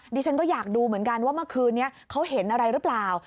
ดิฉันก็อยากดูเหมือนกันว่าเมื่อคืนนี้เขาเห็นอะไรหรือเปล่า